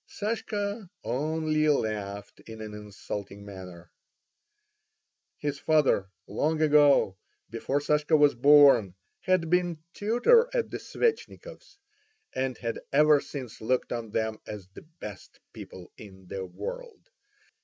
Sashka only laughed in an insulting manner. His father, long ago, before Sashka was born, had been tutor at the Svetchnikovs', and had ever since looked on them as the best people in the world.